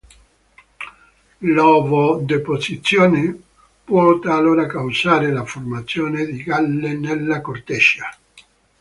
L'ovodeposizione può talora causare la formazione di galle nella corteccia.